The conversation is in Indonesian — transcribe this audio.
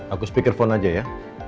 aku speakerphone aja ya